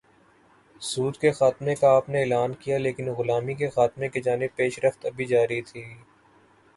سود کے خاتمے کا آپ نے اعلان کیا لیکن غلامی کے خاتمے کی جانب پیش رفت ابھی جاری تھی۔